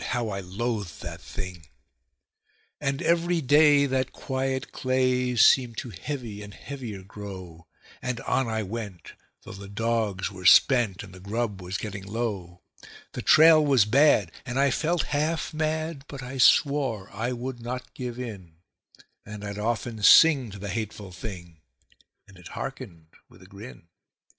how I loathed the thing. And every day that quiet clay seemed to heavy and heavier grow; And on I went, though the dogs were spent and the grub was getting low; The trail was bad, and I felt half mad, but I swore I would not give in; And I'd often sing to the hateful thing, and it hearkened with a grin.